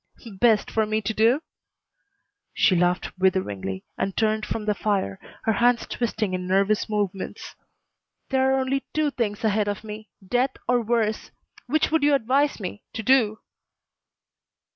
"Best for me to do?" She laughed witheringly and turned from the fire, her hands twisting in nervous movements. "There are only two things ahead of me. Death or worse. Which would you advise me to do?"